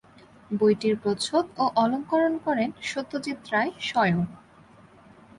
বইটির প্রচ্ছদ ও অলংকরণ করেন সত্যজিৎ রায় স্বয়ং।